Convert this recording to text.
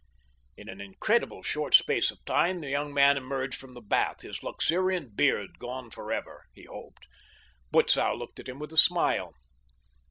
In an incredibly short space of time the young man emerged from the bath, his luxuriant beard gone forever, he hoped. Butzow looked at him with a smile.